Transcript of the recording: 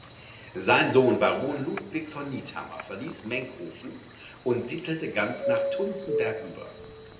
Sein Sohn Baron Ludwig von Niethammer verließ Mengkofen und siedelte ganz nach Tunzenberg über.